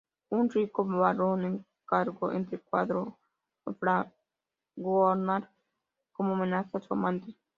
Un rico barón encargó este cuadro a Fragonard, como homenaje a su amante.